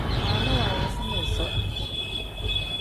Naana waayisina isoo.